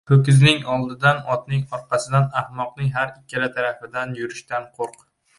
• Ho‘kizning oldidan, otning orqasidan, ahmoqning har ikkala tarafida yurishdan qo‘rq.